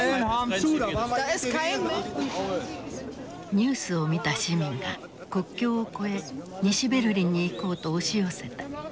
ニュースを見た市民が国境を越え西ベルリンに行こうと押し寄せた。